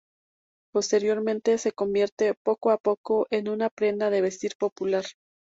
Posteriormente, se convierte poco a poco en una prenda de vestir popular.